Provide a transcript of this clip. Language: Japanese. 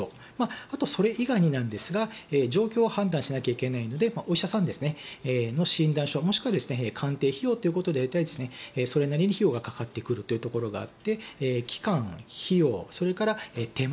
あと、それ以外に何ですが状況を判断しなきゃいけないのでお医者さんの診断書もしくは鑑定費用ということでそれなりに費用がかかってくることがあって期間、費用、それから手間